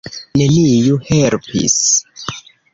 Neniu helpis.